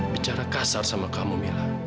bicara kasar sama kamu mila